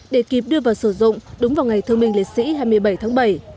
để kịp đưa vào sử dụng đúng vào ngày thương binh liệt sĩ hai mươi bảy tháng bảy